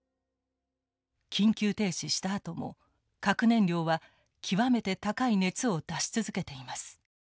緊急停止したあとも核燃料は極めて高い熱を出し続けています。